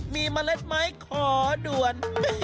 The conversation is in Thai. มีเมล็ดไม้ขอด่วน